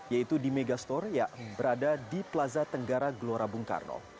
yaitu di megastore yang berada di plaza tenggara gelora bung karno